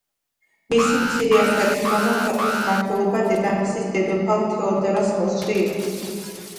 მისი მცირე ასაკის გამო ქვეყნის მმართველობა დედამისის დედოფალ თეოდორას ხელში იყო.